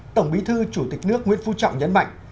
tổng bí thư chủ tịch nước nguyễn phú trọng nhấn mạnh